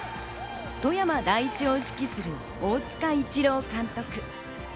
富山第一を指揮する大塚一朗監督。